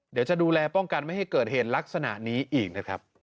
เดี๋ยวจะดูแลป้องกันไม่ให้เกิดเหตุลักษณะนี้อีกนะครับ